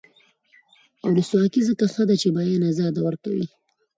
ولسواکي ځکه ښه ده چې د بیان ازادي ورکوي.